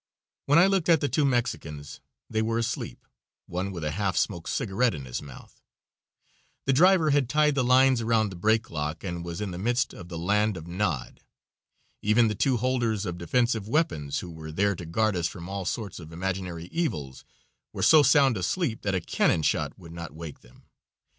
When I looked at the two Mexicans they were asleep, one with a half smoked cigarette in his mouth. The driver had tied the lines around the brake lock and was in the midst of the land of nod. Even the two holders of defensive weapons, who were there to guard us from all sorts of imaginary evils, were so sound asleep that a cannon shot would not wake them.